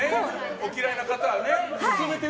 お嫌いな方はね。